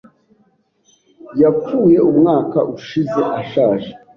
Yapfuye umwaka ushize ashaje.